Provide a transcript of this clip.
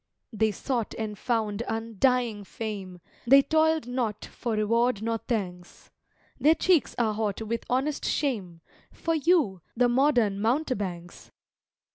They sought and found undying fame: They toiled not for reward nor thanks: Their cheeks are hot with honest shame For you, the modern mountebanks!